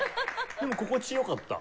でも心地良かった。